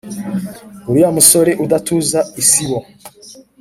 Uriya musore udatuza isibo